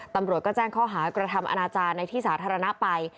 ตำรวจก็แจ้งข้อหากระทำอนาจารย์ในที่สาธารณะไป